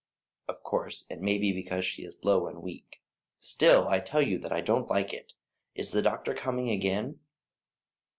Of course, it may be because she is low and weak; still I tell you that I don't like it. Is the doctor coming again?"